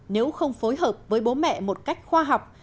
nếu không phối hợp với bố mẹ một cách khoa học